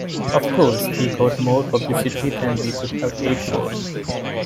Of course, we got more publicity than we could have paid for.